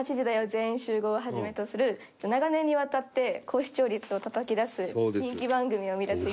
全員集合』をはじめとする長年にわたって高視聴率をたたき出す人気番組を生み出す一方で。